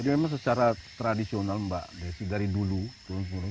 jadi memang secara tradisional mbak dari dulu turun turun